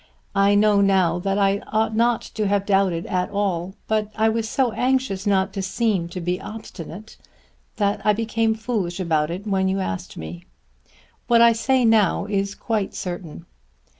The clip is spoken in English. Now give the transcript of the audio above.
I know now that I ought not to have doubted at all; but I was so anxious not to seem to be obstinate that I became foolish about it when you asked me. What I say now is quite certain.